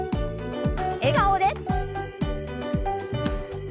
笑顔で。